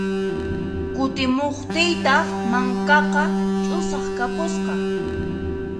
Kutimuqtiytaq mankaqa ch'usaq kapusqa.